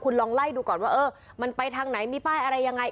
คุณลองไล่ดูก่อนว่าเออมันไปทางไหนมีป้ายอะไรยังไง